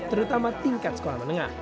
terutama tingkat sekolah menengah